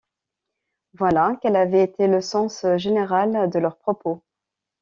Voilà quel avait été le sens général de leurs propos.